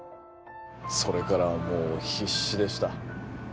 それからはもう必死でした